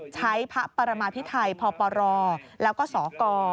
ใช้พระปรมาพิไทยพปรแล้วก็สก